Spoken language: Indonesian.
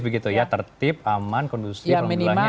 begitu ya tertib aman kondusif alhamdulillahnya